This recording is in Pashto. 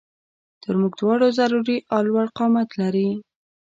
تر مونږ دواړو ضروري او لوړ قامت لري